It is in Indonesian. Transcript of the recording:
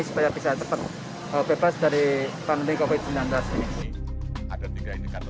supaya bisa cepat bebas dari pandemi covid sembilan belas ini